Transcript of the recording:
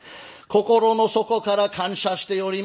「心の底から感謝しております」。